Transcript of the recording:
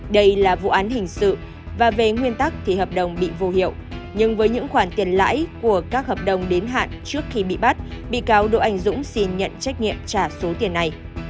đây là vụ án hình sự và về nguyên tắc thì hợp đồng bị vô hiệu nhưng với những khoản tiền lãi của các hợp đồng đến hạn trước khi bị bắt bị cáo độ ảnh dũng xin nhận trách nhiệm trả số tiền này